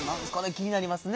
気になりますね。